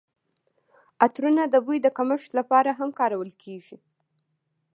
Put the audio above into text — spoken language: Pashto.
عطرونه د بوی د کمښت لپاره هم کارول کیږي.